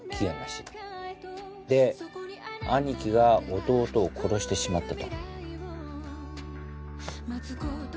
で兄貴が弟を殺してしまったと。